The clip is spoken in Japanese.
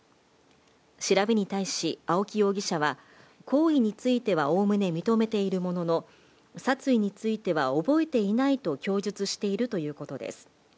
調べに対し、青木容疑者は行為についてはおおむね認めているものの、殺意については覚えていないと供述しているということです。